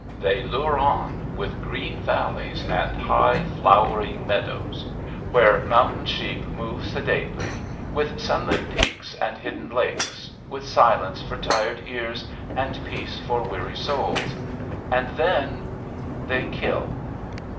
They lure on with green valleys and high flowering meadows where mountain sheep move sedately, with sunlit peaks and hidden lakes, with silence for tired ears and peace for weary souls. And then they kill.